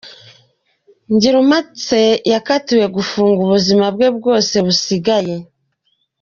Ngirumpatse yakatiwe gufungwa ubuzima bwe bwose busigaye.